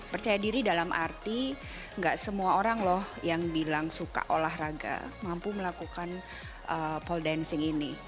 percaya diri dalam arti gak semua orang loh yang bilang suka olahraga mampu melakukan pole dancing ini